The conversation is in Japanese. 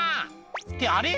「ってあれ？